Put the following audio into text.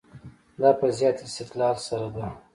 دا په زیات استدلال سره ده.